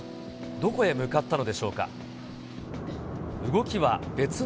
どこへ向かったのでしょうか。